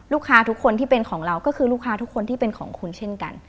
ลูกค้าทุกคนที่เป็นของเราก็คือลูกค้าทุกคนที่เป็นของคุณเช่นกัน